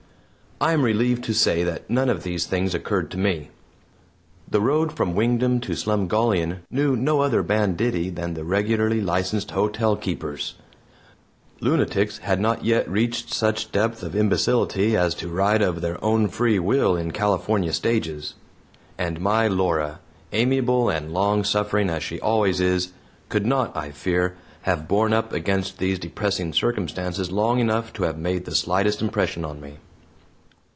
I am relieved to say that none of these things occurred to me. The road from Wingdam to Slumgullion knew no other banditti than the regularly licensed hotelkeepers; lunatics had not yet reached such depth of imbecility as to ride of their own free will in California stages; and my Laura, amiable and long suffering as she always is, could not, I fear, have borne up against these depressing circumstances long enough to have made the slightest impression on me.